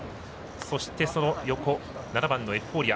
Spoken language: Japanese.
そして、７番のエフフォーリア。